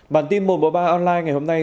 bản tin một trăm một mươi ba online ngày hôm nay